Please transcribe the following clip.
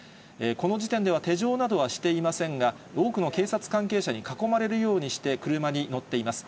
この時点では、手錠などはしていませんが、多くの警察関係者に囲まれるようにして、車に乗っています。